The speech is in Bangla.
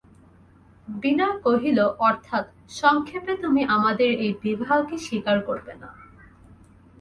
বিনয় কহিল, অর্থাৎ, সংক্ষেপে, তুমি আমাদের এই বিবাহকে স্বীকার করবে না।